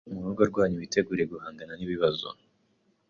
mu rugo rwanyu witegure guhangana n’ibibazo